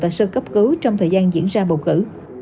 và sơ cấp cứu trong thời gian diễn ra bầu cử